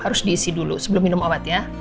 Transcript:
harus diisi dulu sebelum minum obat ya